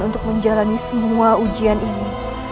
untuk menjalani semua ujian ini